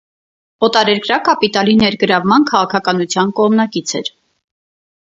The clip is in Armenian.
Օտարերկրյա կապիտալի ներգրավման քաղաքականության կողմնակից էր։